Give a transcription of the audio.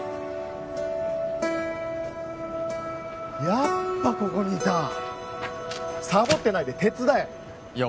やっぱここにいたさぼってないで手伝えいや